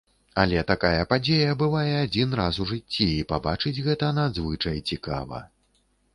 Але такая падзея бывае адзін раз у жыцці, і пабачыць гэта надзвычай цікава.